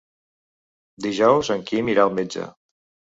Dijous en Quim irà al metge.